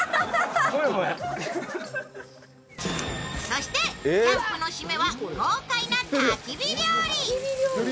そしてキャンプの締めは豪快なたき火料理。